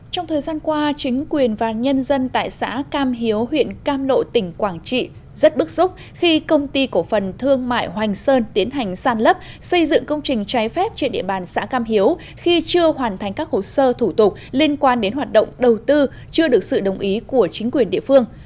trong thời gian qua chính quyền và nhân dân tại xã cam hiếu huyện cam lộ tỉnh quảng trị rất bức xúc khi công ty cổ phần thương mại hoành sơn tiến hành sàn lấp xây dựng công trình trái phép trên địa bàn xã cam hiếu khi chưa hoàn thành các hồ sơ thủ tục liên quan đến hoạt động đầu tư chưa được sự đồng ý của chính quyền địa phương